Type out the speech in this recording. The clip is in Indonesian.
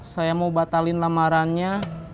saya mau batalin lamarannya